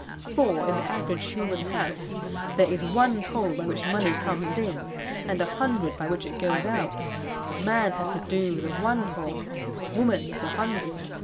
For in the average human house there is one hole by which money comes in and a hundred by which it goes out; man has to do with the one hole, woman with the hundred.